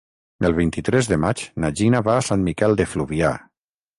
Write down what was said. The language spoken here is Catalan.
El vint-i-tres de maig na Gina va a Sant Miquel de Fluvià.